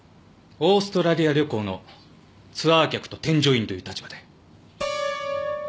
オーストラリア旅行のツアー客と添乗員という立場で。